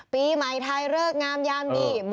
ปีใหม่ไทยเลิกงามยามดี